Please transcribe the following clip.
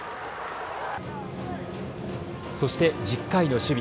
そして１０回の守備。